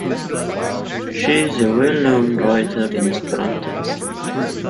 She is a well-known writer in Esperanto.